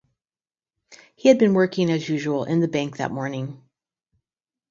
He had been working as usual in the bank that morning.